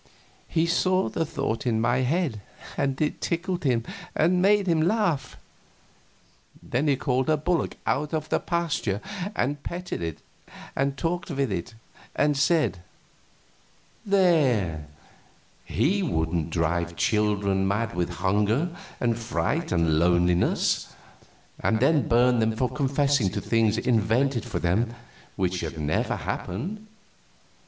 He saw the thought in my head, and it tickled him and made him laugh. Then he called a bullock out of a pasture and petted it and talked with it, and said: "There he wouldn't drive children mad with hunger and fright and loneliness, and then burn them for confessing to things invented for them which had never happened.